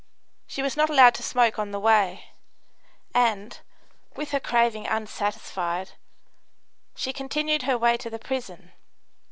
She was not allowed to smoke on the way, and, with her craving unsatisfied, she continued her way to the prison.